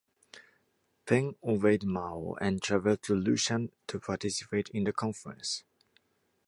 Peng obeyed Mao and travelled to Lushan to participate in the conference.